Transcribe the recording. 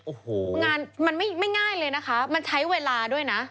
โอ้โหงานมันไม่ง่ายเลยนะคะมันใช้เวลาด้วยนะ